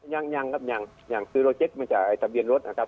ยังยังครับยังคือเราเช็คมาจากทะเบียนรถนะครับ